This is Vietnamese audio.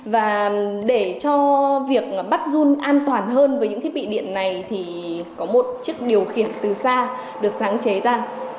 và để cho việc bắt run an toàn hơn với những thiết bị điện này thì có một chiếc điều khiển từ xa được sáng chế ra